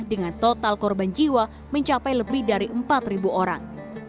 dengan total korban jiwa mencapai lebih dari empat orang